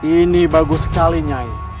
ini bagus sekali nyai